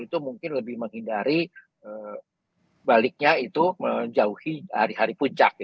itu mungkin lebih menghindari baliknya itu menjauhi hari hari puncak